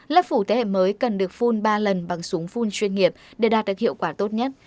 lớp phủ thế hệ mới cần được phun ba lần bằng súng phun chuyên nghiệp để đạt được hiệu quả tốt nhất